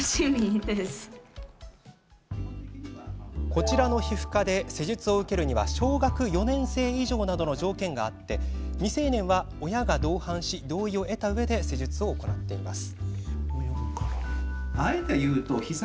こちらの皮膚科で施術を受けるには小学４年生以上などの条件があり未成年は親が同伴し同意を得たうえで施術を行っています。